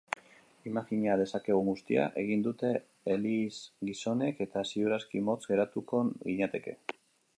Imajina dezakegun guztia egin dute elizgizonek, eta ziur aski motz geratuko ginateke.